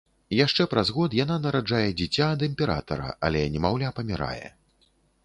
Яшчэ праз год яна нараджае дзіця ад імператара, але немаўля памірае.